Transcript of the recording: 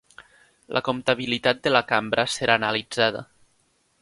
La comptabilitat de la Cambra serà analitzada